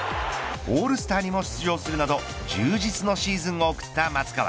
オールスターにも出場するなど充実のシーズンを送った松川。